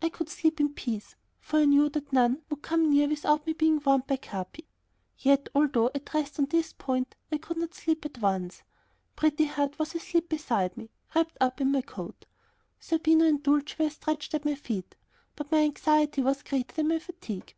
I could sleep in peace, for I knew that none would come near without me being warned by Capi. Yet, although, at rest on this point, I could not sleep at once. Pretty Heart was asleep beside me, wrapped up in my coat; Zerbino and Dulcie were stretched at my feet. But my anxiety was greater than my fatigue.